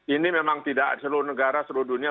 ini memang tidak seluruh negara seluruh dunia